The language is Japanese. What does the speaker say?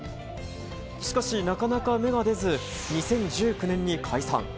しかし、なかなか芽が出ず２０１９年に解散。